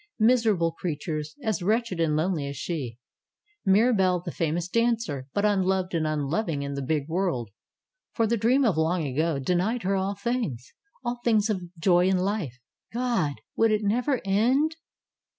Miser able creatures, as wretched and lonely as she! Mira belle, the famous dancer, but unloved and unloving in the big world ! For the Dream of Long Ago denied her all things; all things of joy in life. God! Would it never end!